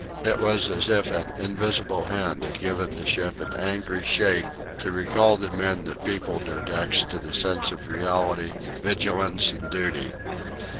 It was as if an invisible hand had given the ship an angry shake to recall the men that peopled her decks to the sense of reality, vigilance, and duty.